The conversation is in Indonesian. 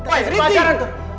wah ini pacaran tuh